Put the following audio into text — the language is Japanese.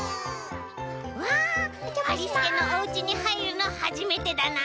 わっありすけのおうちにはいるのはじめてだな」。